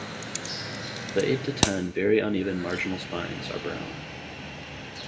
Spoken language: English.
The eight to ten very uneven marginal spines are brown.